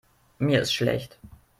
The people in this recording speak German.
Mir ist schlecht.